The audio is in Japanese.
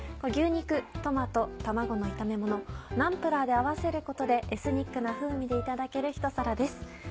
牛肉トマト卵の炒めものナンプラーで合わせることでエスニックな風味でいただけるひと皿です。